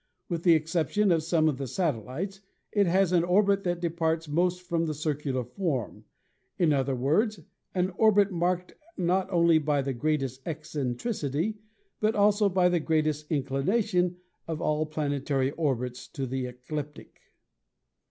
With the ex ception of some of the satellites,"it has an orbit that departs most from the circular form — in other words, an orbit marked not only by the greatest eccentricity, but also by the greatest inclination of all planetary orbits to the ecliptic.